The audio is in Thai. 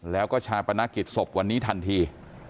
แล้วก็ชาปนกิจศพวันนี้ทันที